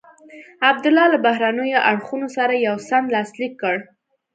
عبدالله له بهرنیو اړخونو سره یو سند لاسلیک کړ.